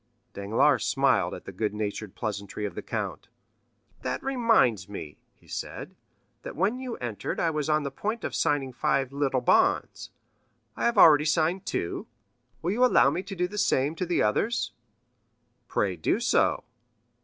Danglars smiled at the good natured pleasantry of the count. "That reminds me," he said, "that when you entered I was on the point of signing five little bonds; I have already signed two: will you allow me to do the same to the others?" "Pray do so."